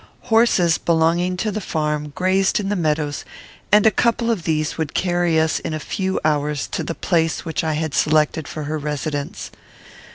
Horses, belonging to the farm, grazed in the meadows, and a couple of these would carry us in a few hours to the place which I had selected for her residence.